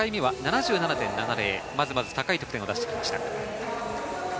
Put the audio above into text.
まずまず高い得点を出してきました。